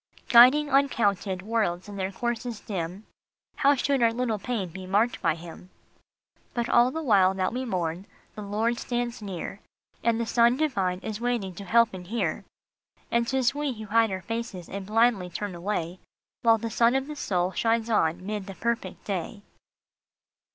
" Guiding uncounted worlds in their courses dim, How should our little pain be marked by him?" But all the while that we mourn, the Lord stands near, And the Son divine is waiting to help and hear ; And t is we who hide our faces, and blindly turn away, While the Sun of the soul shines on mid the perfect day.